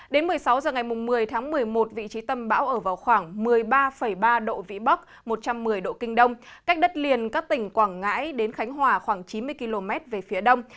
đến một mươi sáu h ngày một mươi tháng một mươi một vị trí tâm bão ở vào khoảng một mươi ba ba độ vĩ bắc một trăm một mươi độ kinh đông cách đất liền các tỉnh quảng ngãi đến khánh hòa khoảng chín mươi km về phía đông